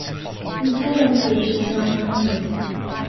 The title page is not numbered.